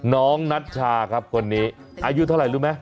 นัชชาครับคนนี้อายุเท่าไหร่รู้ไหม